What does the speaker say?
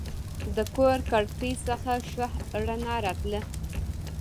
د کور کړکۍ څخه ښه رڼا راتله.